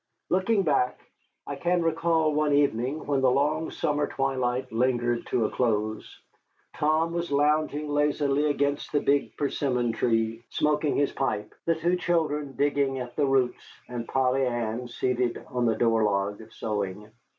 Looking back, I can recall one evening when the long summer twilight lingered to a close. Tom was lounging lazily against the big persimmon tree, smoking his pipe, the two children digging at the roots, and Polly Ann, seated on the door log, sewing.